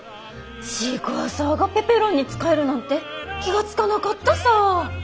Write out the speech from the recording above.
シークワーサーがペペロンに使えるなんて気が付かなかったさぁ！